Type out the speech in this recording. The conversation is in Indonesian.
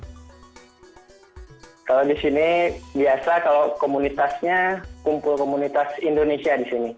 kalau di sini biasa kalau komunitasnya kumpul komunitas indonesia di sini